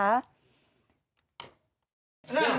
อันนั้นห้อยอยู่นะ